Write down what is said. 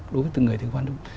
đối với từng người thì khoan dung